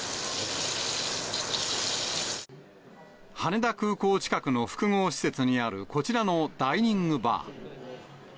羽田空港近くの複合施設にあるこちらのダイニングバー。